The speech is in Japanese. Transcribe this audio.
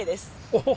おお！